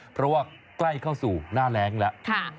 เพราะว่าใกล้เข้าสู่หน้าแรงแล้ว